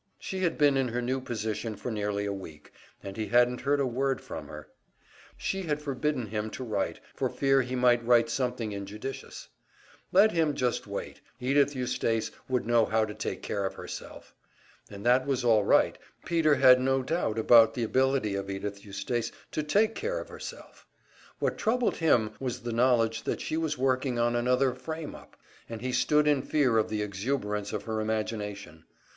She had been in her new position for nearly a week, and he hadn't heard a word from her. She had forbidden him to write, for fear he might write something injudicious. Let him just wait, Edythe Eustace would know how to take care of herself. And that was all right, Peter had no doubt about the ability of Edythe Eustace to take care of herself. What troubled him was the knowledge that she was working on another "frame up," and he stood in fear of the exuberance of her imagination.